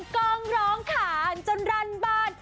ก้นก้องร้องขาจนรันบ้าน